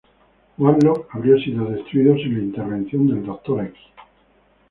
Warlock habría sido destruido sin la intervención del Dr.